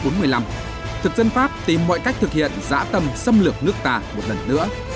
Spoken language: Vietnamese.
năm một nghìn chín trăm bốn mươi năm thực dân pháp tìm mọi cách thực hiện giã tâm xâm lược nước ta một lần nữa